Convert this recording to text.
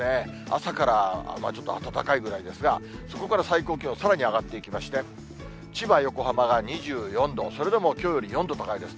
朝からちょっと暖かいぐらいですが、そこから最高気温さらに上がっていきまして、千葉、横浜が２４度、それでもきょうより４度高いです。